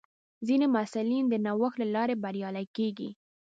ځینې محصلین د نوښت له لارې بریالي کېږي.